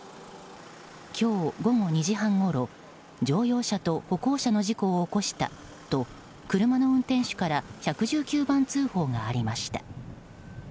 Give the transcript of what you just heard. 今日午後２時半ごろ、乗用車と歩行者の事故を起こしたと車の運転手から１１９番通報がありました。